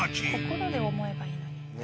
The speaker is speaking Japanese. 心で思えばいいのに。